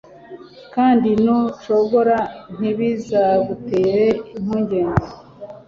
kandi nucogora, ntibizagutere impungenge